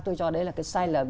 tôi cho đấy là cái sai lầm